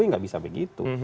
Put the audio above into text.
ini nggak bisa begitu